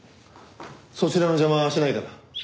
そちらの邪魔はしないから。